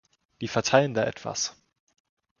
Die verteilen da etwas.